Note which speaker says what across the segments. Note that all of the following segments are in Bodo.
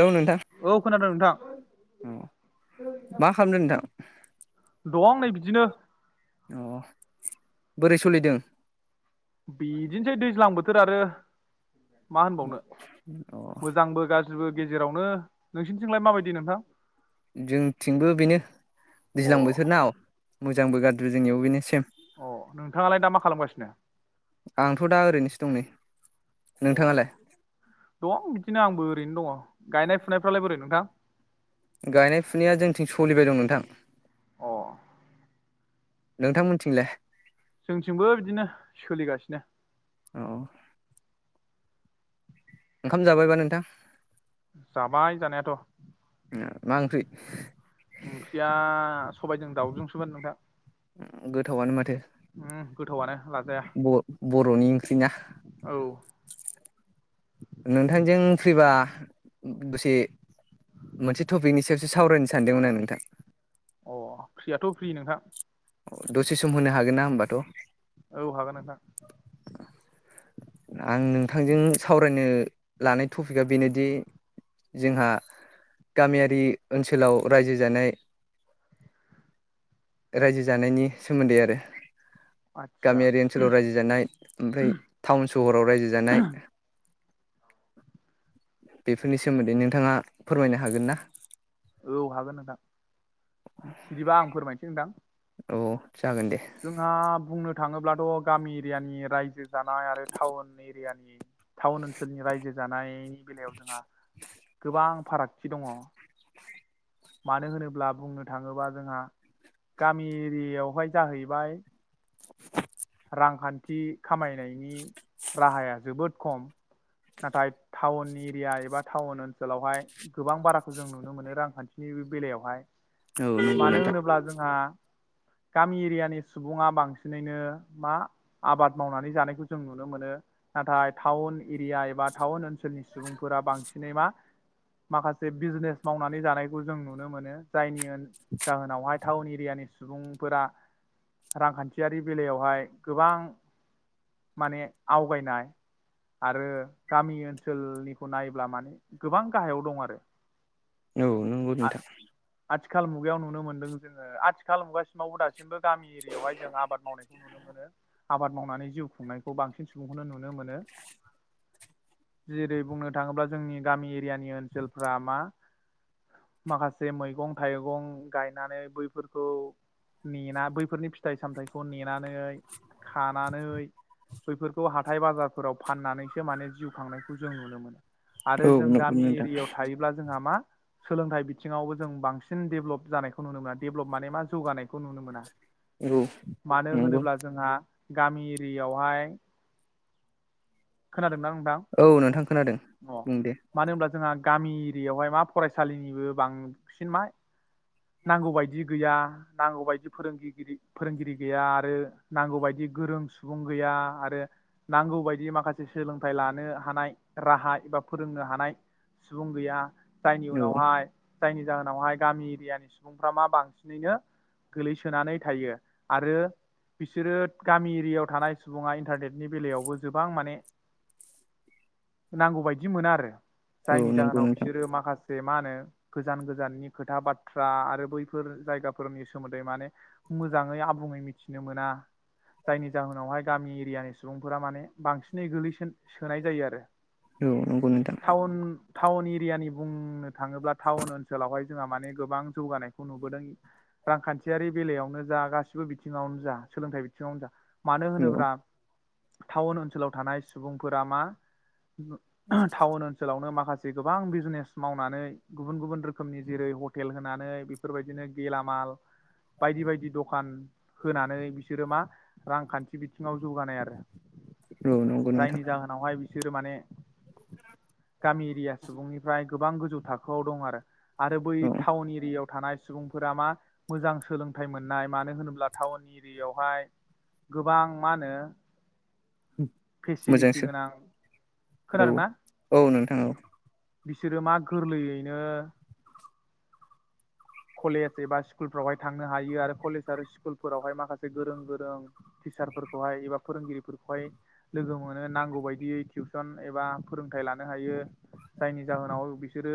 Speaker 1: औ नोंथां
Speaker 2: औ खोनादों नोंथां
Speaker 1: अ मा खालामदो नोंथां?
Speaker 2: दं नै बिदिनो
Speaker 1: [inaudible] अ बोरै सोलिदों
Speaker 2: बिदिनोसै दैज्लां बोथोर आरो मा होनबावनो
Speaker 1: अ
Speaker 2: मोजांबो गाज्रिबो गेज जेरावनो
Speaker 1: [inaudible] जोंथिंबो बेनो
Speaker 2: अ
Speaker 1: दैज्लां बोथोरना औ मोजांबो गादरि जोंनियावबो बिनो सेम
Speaker 2: अ नोंथाङालाय दा मा खालामगासिनो
Speaker 1: [inaudible] आंथ' दा ओरैनोसो दं नै
Speaker 2: अ
Speaker 1: नोंथाङालाय?
Speaker 2: दं आंबो बिदिनो दङ गायनाय फुनायफ्रालाय बोरै नोंथां
Speaker 1: [inaudible] गायनाय फुनाया जोंथिं सलि बाय दं नोंथां
Speaker 2: अ
Speaker 1: नोंथांमोनथिंलाय?
Speaker 2: जोंथिंबो बिदिनो सोलिगासिनो।
Speaker 1: अ ओंखाम जाबायबा नोंथां?
Speaker 2: जाबाय जानायाथ'
Speaker 1: मा ओंख्रि
Speaker 2: [inaudible] ओंख्रिया सबायजों दाउजोंसोमोन नोंथां।
Speaker 1: ओम गोथावानो माथो
Speaker 2: ओ गोथावआनो लाजाया
Speaker 1: बर बर'नि ओंख्रिना
Speaker 2: औ
Speaker 1: नोंथांजों फैबा दसे मोनसे टपिकनि सायावसो सावरायनो सानदोंमोन आं नोंथां
Speaker 2: अ फ्रियाथ' फ्रि नोंथां
Speaker 1: अ दसे सम होनो हागोन ना होमबाथ' [inaudible]
Speaker 2: औ हागोन नोंथां
Speaker 1: आं नोंथांजों सावरायनो नो लानो टपिकआ बेनोदि जोंहा गामियारि ओनसोलाव रायजो जानाय रायजो जानायनि सोमोन्दै आरो
Speaker 2: आदसा
Speaker 1: गामियारि ओनसोलाव रायजो जानाय ओमफ्राय टाउन सहराव रायजो जानाय। बेफोरनि सोमोन्दै नोंथाङा फोरमायनो हागोन ना?
Speaker 2: औ हागोन नोंथां बिदिबा आं फोरमायनोसै नोंथां।
Speaker 1: औ जागोन दे
Speaker 2: जोंहा बुंनो थाङोब्ला ' गामि एरियानि रायजो जानाय आरो टाउन एरियानि टाउन ओनसोलनि रायजो जानाय। बेलायाव जोंहा गोबां फारागथि दङ। मानो होनोब्ला बुंनो थाङोबा जोंहा गामि एरियाआवहाय। जाहैबाय कि खामायनायनि राहाया जोबोद खम नाथाय टाउन एरिया एबा टाउन ओनसोलावहाय गोबां बाराखौ जों नुनो मोनो रांखान्थिनि बे बेलायावहाय
Speaker 1: औ नंगौ
Speaker 2: मानो
Speaker 1: नोंथां
Speaker 2: होनोब्ला जोंहा गामि एरियानि सुबुङा बांसिनैनो मा आबाद मावनानै जानायखौ जों नुनो मोनो नाथाय टाउन एरिया एबा टाउन ओनसोलनि सुबुंफोरा बांसिनै मा माखासे बिजनेस मावनानै जानायखौ जों नुनो मोनो जायनि जाहोनावहाय टाउन एरियानि सुबुंफोरा रांखान्थियारि बेलायावहाय गोबां माने आवगायनाय आरो गामि ओनसोलनिखौ नायब्ला माने गोबां गाहायाव दं आरो
Speaker 1: औ नंगौ
Speaker 2: आ
Speaker 1: नोंथां
Speaker 2: आथिखाल मुगायाव नुनो मोनदों जोङो आथिखाल मुगासिमावबो दासिमबो गामि एरियावहाय जों आमावनायखौ नुनो मोनो आबाद मावनानै जिउ खुंनायखौ बांसिन सुबुंखौनो नुनो मोनो जेरै बुंनो थाङोब्ला जोंनि गामि एरियानि ओनसोलफ्रा मा माखासे मैगं थाइगं गायनानै बैफोरखौ नेना बैफोरनि फिथाइ सामथायखौ नेनानै खानानै बैफोरखौ हाथाय बाजारफोराव फाननानैसो माने जिउ खांनायखौ जों नुनो मोनो। आरो
Speaker 1: औ
Speaker 2: जों
Speaker 1: नंगौ
Speaker 2: गामि
Speaker 1: नोंथां
Speaker 2: एरियायाव थायोब्ला जोंहा मा सोलोंथाइ बिथिङावबो जों बांसिन डेभेलप जानायखौ नुनो मोना डेभलप माने मा जौगानायखौ नुनो मोना
Speaker 1: औ
Speaker 2: मानो
Speaker 1: नंगौ
Speaker 2: होनोब्ला जोंहा गामि एरि यावहाय। खोनादोंना आं
Speaker 1: औ नोंथां खोनादों बुं दे।
Speaker 2: मानो होनब्ला जोंहा गामि यावहाय मा फरायसालिनिबो बांसिन मा नांगौ बायदि गैया नांगौ बायदि फोरोंगिरि फोरोंगिरि ग गैया आरो नांगौ बायदि गोरों सुबुं गैया आरो नांगौ बायदि माखासे सोलोंथाइ लानो हानाय राहा एबा फोरोंनो हानाय सुबुं गैया। जायनि
Speaker 1: औ
Speaker 2: उनाव हाय जायनि जाहोनावहाय गामि एरियानि सुबुंफ्रा मा बांसिनैनो गोलैसोनानै थायो आरो बिसोरो गामि एरियायाव थानाय सुबुङा इन्टारनेटनि बेलायावबो गोबां माने नांगौ बायदि मोना आरो
Speaker 1: औ
Speaker 2: जायनि
Speaker 1: नंगौ
Speaker 2: जाहोनाव
Speaker 1: नोंथां
Speaker 2: बिसोरो माखासे मा होनो गोजान गोजाननि खोथा बाथ्रा आरो बैफोर जायगाफोरनि सोमोन्दै माने मोजाङै आबुङै मिथिनो मोना जायनि जाहोनावहाय गामि एरियानि सुबुंफोरा माने बांसिन नै गोलै सोन सोनाय जयो आरो
Speaker 1: औ नंगौ नोंथां
Speaker 2: टाउन टाउन एरियानि बुंनो थाङोब्ला टाउन ओनसोलावहाय जोंहा माने गोबां जौगानायखौ नुबोदों रांखान्थियारि बेलायावनो जा गासिबो बिथिङावनो जा सोलोंथाइ बिथिङावनो जा मानो
Speaker 1: औ
Speaker 2: होनोब्रा टाउन ओनसोलाव थानाय सुबुंफोरा मा टाउन ओनसोलावनो माखासे गोबां बिजनेस मावनानै गुबुन गुबुन रो खोमनि जेरै हटेल होनानै बेफोरबायदिनो गेलामाल बायदि बायदि दखान होनानै बिसोरो मा रांखान्थि बिथिङाव जौगानाय आरो
Speaker 1: औ नंगौ नोंथां
Speaker 2: जायनि जाहोनावहाय सिरो माने गामि एरिया सुबुंनि फ्राय गोबां गोजौ थाखोआव दं आरो आरो बै
Speaker 1: औ
Speaker 2: टाउन एरियाव थानाय सुबुंफोरा मा मोजां सोलोंथाइ मोननाय मानो होनोब्ला टाउन एरियावहाय गोबां मा होनो फेसिलिटि
Speaker 1: मोजांसो
Speaker 2: गोनां
Speaker 1: औ
Speaker 2: खोनादोंना
Speaker 1: औ नों औ
Speaker 2: बिसोरो मा गोरलैयैनो कलेज एबा स्कुलफोरावहाय थांनो हायो आरो कलेज आरो स्कुलफोरावहाय माखासे गोरों गोरों टिचारफोरखौहाय एबा फोरोंगिरिफोरखौहाय लोगो मोनो नांगौ बायदियै टिउसन एबा फोरोंथायाइ लानो हायो जायनि जाहोनाव बिसोरो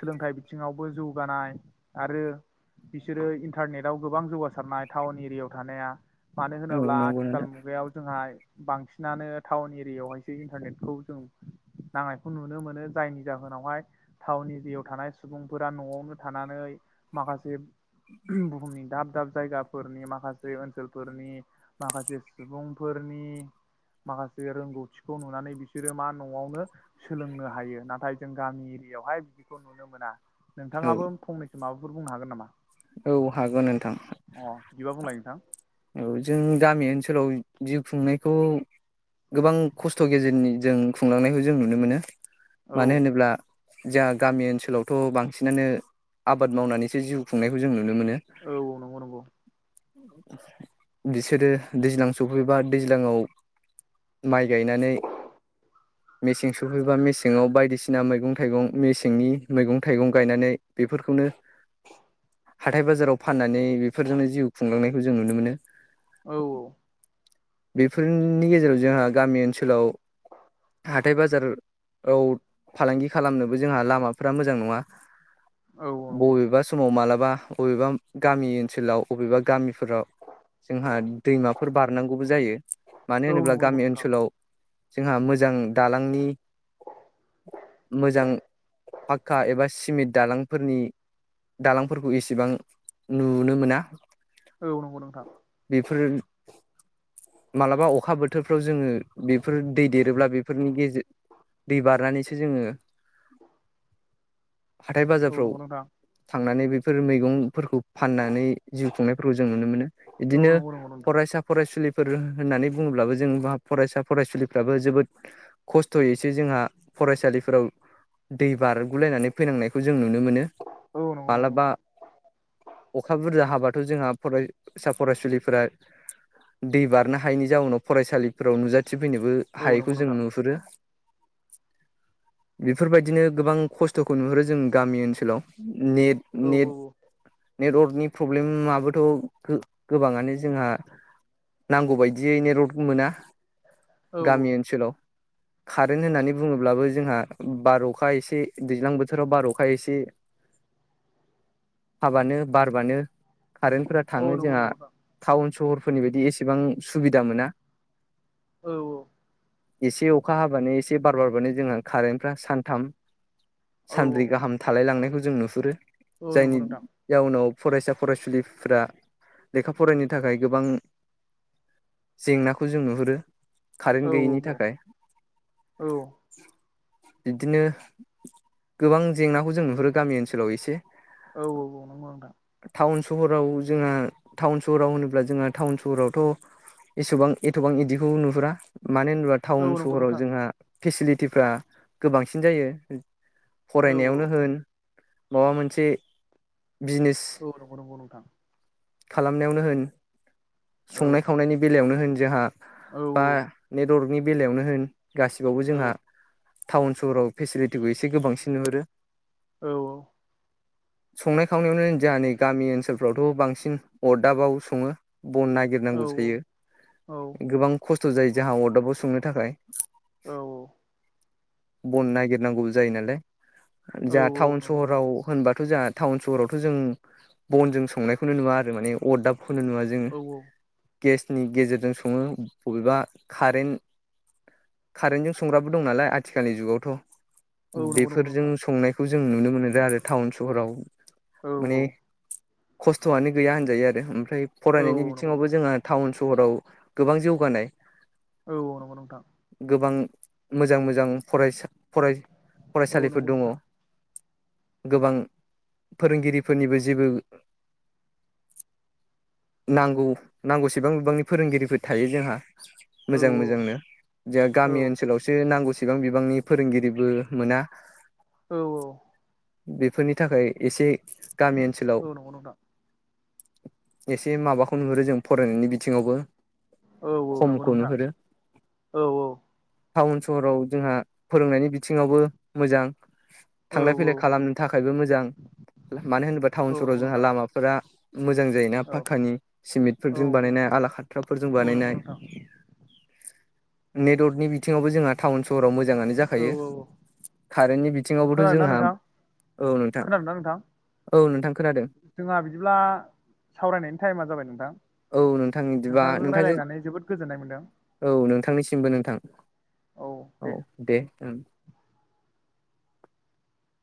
Speaker 2: सोलोंथाइ बिथिङावबो जौगानाय आरो बिसोरो इन्टारनेटाव गोबां जौगासारनाय टाउन एरियाायाव थानाया मानो
Speaker 1: औ
Speaker 2: होनोब्ला
Speaker 1: नंगौ
Speaker 2: आथिखाल
Speaker 1: नोंथां
Speaker 2: मुगायाव जोंहा बांसिनानो टाउन एरियायावहायसो इन्टारनेटखौ जों नांनायखौ नुनो मोनो जायनि जाहोनावहाय टाउन एरियायाव थानाय सुबुंफोरा न'आवनो थानानै माखासे बुहुमनि दाब-दाब जायगाफोरनि माखासे ओनसोलफोरनि माखासे सुबुंफोरनि माखासे रोंगौथिखौ नुनानै बिसोरो मा न'आवनो सोलोंनो हायो नाथाय जों गामि एरियायावहाय बिदिखौ नुनो मोना
Speaker 1: औ
Speaker 2: नोंथाङाबो फंनै माबाफोर बुंनो हागोन नामा?
Speaker 1: औ हागोन नोंथां।
Speaker 2: अ बिदिबा बुंलाय नोंथां।
Speaker 1: औ जों गामि ओनसोलाव जिउ खुंनायखौ गोबां खस्थ' गेजेरनि जों खुंलांनायखौ जों नुनो मोनो।
Speaker 2: औ
Speaker 1: मानो होनोब्ला जोंहा गामि ओनसोलावथ' बांसिनानो आबाद मावनानैसो जिउ खुंनायखौ जों नु नुनो मोनो।
Speaker 2: औ औ नंगौ नंगौ
Speaker 1: बिसोरो दैज्लां सफैबा दैज्लाङाव माइ गायनानै मेसें सफैबा मेसेङाव बायदिसिना मैगं थाइगं मेसेंनि मैगं थाइगं गायनानै बेफोरखौनो हाथाय बाजाराव फाननानै बेफोरजोंनो जिउ खुंलांनाय खौ जों नुनो मोनो।
Speaker 2: औ औ
Speaker 1: बेफोरनि गेजेराव जोंहा गामि ओनसोलाव हाथाय बाजाराव फालांगि खालामनोबो जोंहा लामाफ्रा मोजां नङा।
Speaker 2: औ औ नंगौ
Speaker 1: बबेबा समाव मालाबा अ'बेबा गामि ओनसोलाव अ'बेबा गामि फोराव जोंहा दैमाफोर बारनांगौबो जायो। मानो
Speaker 2: औ
Speaker 1: होनोब्ला
Speaker 2: नंगौ नंगौ
Speaker 1: गामि
Speaker 2: नोंथां
Speaker 1: ओनसोलाव जोंहा मोजां दालांनि मोजां पाक्का एबा सिमेन्ट दालांफोरनि दालांफोरखौ एसेबां नुनो मोना।
Speaker 2: औ नंगौ नोंथां।
Speaker 1: बेफोर मालाबा अ'खा बोथोरफ्राव जोङो बेफोर दै देरोब्ला बेफोरनि गेजेर दै बारनानैसो जोङो हाथाय
Speaker 2: औ
Speaker 1: बाजारफ्राव
Speaker 2: नंगौ नोंथां
Speaker 1: थांनानै बे फोर' मैगंफोरखौ फाननानै जि फोरखौ जों नुनो मोनो
Speaker 2: औ
Speaker 1: बिदिनो
Speaker 2: नंगौ नंगौ नोंथां
Speaker 1: फरायसा फरायसुलिफोर होननानै बुङोब्लाबो जों बा फरायसा फरायसुलिफ्राबो जोबोद खस्थ'यैसो जोंहा फरायसालिफोराव दै बारगुलायनानै फैनांनायखौ जों नु नुनो मोनो
Speaker 2: औ नंगौ नंगौ
Speaker 1: मालाबा
Speaker 2: नोंथां
Speaker 1: अ'खा बुरजा हाबा जोंहा फरायसा फरायसुलिफोरा दै बारनो हायैनि जाउनाव फरायसालिफोराव नुजा थिफैनोबो
Speaker 2: औ
Speaker 1: हायैखौ
Speaker 2: नंगौ
Speaker 1: जों
Speaker 2: नोंथां
Speaker 1: नुहुरो बेफोरबायदिनो गोबां खस्थ' थखौ नुहरो जों गामि ओनसो हेल'। नेट
Speaker 2: औ
Speaker 1: नेट नेटवार्कनि प्रब्लेम माबो थ' गो-गोबाङानो जोंहा नांगौबायदियै नेटवर्क मोना।
Speaker 2: औ
Speaker 1: गामि ओनसोलाव कारेन्ट
Speaker 2: औ
Speaker 1: होननानै बुङोब्लाबो जोंहा बार अखा एसे दैज्लां बोथोराव बार अखा एसे हाबानो बारबानो कारेन्ट फोर
Speaker 2: औ
Speaker 1: थाङो
Speaker 2: नंगौ
Speaker 1: जोंहा
Speaker 2: नंगौ नोंथां
Speaker 1: टाउन सहर फोरनि बायदि एसेबां सुबिदा मोना।
Speaker 2: औ औ
Speaker 1: एसे अखा हाबानो एसे बार बारबानो जोंहा कारेन्टफ्रा सानथाम
Speaker 2: औ औ
Speaker 1: सानब्रै गाहाम थालाय लांनायखौ जों नुहुरो।
Speaker 2: औ नंगौ
Speaker 1: जायनि
Speaker 2: नोंथां
Speaker 1: जाउनाव फरायसा फरायसुलि फोरा लेखा फरायनो थाखाय गोबां जेंनाखौ जों नुहुरो। कारेन्ट
Speaker 2: औ
Speaker 1: गैयैनि
Speaker 2: औ
Speaker 1: थाखाय।
Speaker 2: औ
Speaker 1: बिदिनो गोबां जेंनाखौ जों नुहुरो गामि ओनसोलाव एसे
Speaker 2: औ औ औ नंगौ नोंथां।
Speaker 1: टाउन सहराव जोंहा टाउन सहराव होनोब्ला जोंहा टाउन सहरावथ' एसेबां एथ'बां इदिखौ नुहुरा। मानो होनोबा
Speaker 2: औ
Speaker 1: टाउन
Speaker 2: नंगौ
Speaker 1: सहराव
Speaker 2: नोंथां
Speaker 1: जोंहा फेसिलिटिफ्रा गोबांसिन जायो।
Speaker 2: औ औ
Speaker 1: फरायनायावनो होन। माबा मोनसे बिजनेस
Speaker 2: औ नंगौ नंगौ नोंथां।
Speaker 1: खालामनायावनो होन
Speaker 2: औ
Speaker 1: संनाय खावनायनि बेलायावनो होन। जाहा
Speaker 2: औ
Speaker 1: बा नेदर्कनि बेलायावनो होन। गासिबावबो
Speaker 2: औ
Speaker 1: जोंहा टाउन सहराव फेसिलिटिखौ एसे गोबांसिन नुहुरो।
Speaker 2: औ औ
Speaker 1: संनाय खावनायावनो जोंहा नै गामि ओनसोल फोरावथ' बांसिन अरदाबाव सङो। बन
Speaker 2: औ
Speaker 1: नागिरनांगौ जायो गोबां खस थ' जायो जोंहा अदाबाव संनो थाखाय।
Speaker 2: औ औ
Speaker 1: बन नागिरनांगौबो जायो नालाय। जा टाउन
Speaker 2: नंगौ नंगौ
Speaker 1: सहराव होनबा थ' जोंहा टाउन सहराव थ' जों बनजों स संनायखौनो नुवा आरो माने अरदाब खनो नुवा जों।
Speaker 2: औ
Speaker 1: गेसनि गेजेरजों सङो बबेबा कारेन्ट कारेन्टजों संग्राबो दं नालाय आथिखालनि
Speaker 2: औ
Speaker 1: जुगावथ'।
Speaker 2: नंगौ नंगौ
Speaker 1: बेफोरजों
Speaker 2: नोंथां
Speaker 1: संनाय खौ जों नुनो मोनोदों आरो टाउन सहराव
Speaker 2: औ औ
Speaker 1: माने
Speaker 2: औ
Speaker 1: खस्थ'आनो गैया होनजायो आरो उम फ्राय
Speaker 2: औ
Speaker 1: फरायनायनि
Speaker 2: नंगौ
Speaker 1: बिथिङाव
Speaker 2: नोंथां औ
Speaker 1: जोंहा टाउन स सहराव गोबां जौगानाय
Speaker 2: औ औ नंगौ नोंथां
Speaker 1: गोबां मोजां मोजां फरायसा फराय
Speaker 2: औ
Speaker 1: फरायसालिफोर
Speaker 2: नंगौ
Speaker 1: दङ।
Speaker 2: नोंथां
Speaker 1: गोबां फोरोंगिरिफोरनिबो जेबो नांगौ नांगौसेबां बिबांनि फोरोंगिरिफोर थायो जोंहा
Speaker 2: औ
Speaker 1: मोजां मोजांनो जों
Speaker 2: औ
Speaker 1: गामि ओनसोलावसो नांगौसै बेसेबां बिबांनि फोरोंगिरिबो मोना
Speaker 2: औ औ
Speaker 1: बेफोरनि थाखाय एसे गामि
Speaker 2: औ
Speaker 1: ओनसोलाव
Speaker 2: नंगौ नोंथां
Speaker 1: एसे माबाखौ नुहुरो जों फरायनायनि बिथिङावबो
Speaker 2: औ औ नंगौ
Speaker 1: खमखौ
Speaker 2: नोंथां
Speaker 1: नुहुरो
Speaker 2: औ औ
Speaker 1: टाउन सहराव जोंहा फोरोंनायनि बिथिङावबो मोजां।
Speaker 2: औ
Speaker 1: थांलाय फैलाय खालामनो थाखायबो मोजां मानो होनोबा टाउन
Speaker 2: औ
Speaker 1: स फोराव
Speaker 2: नंगौ
Speaker 1: जोंहा
Speaker 2: नोंथां
Speaker 1: लामाफोरा मोजां जायोना
Speaker 2: औ
Speaker 1: पाखानि
Speaker 2: औ
Speaker 1: सिमेन्टफोरजों
Speaker 2: औ
Speaker 1: बानायनाय आला खाथ्राफोरजों
Speaker 2: औ नंगौ
Speaker 1: बानायनाय
Speaker 2: नोंथां
Speaker 1: नेटवर्कनि बिथिङाव जोंहा टाउन स हराव मोजाङानो
Speaker 2: औ
Speaker 1: जाखायो
Speaker 2: औ औ
Speaker 1: कारेन्टनि बिथिङावबोथ'
Speaker 2: खोनादोंना
Speaker 1: जोंहा
Speaker 2: नोंथां
Speaker 1: औ नोंथां
Speaker 2: खोनादोंना नोंथां
Speaker 1: औ नोंथां खोनादों
Speaker 2: जोंहा बिदिब्ला सावरायनायनि टाइमा जाबाय नोंथां
Speaker 1: औ नोंथां बिदिबा
Speaker 2: नोंथांजों रायलायनानै जोबोद गोजोननाय मोनदों।
Speaker 1: थांनिसिमबो नोंथां औ दे ओं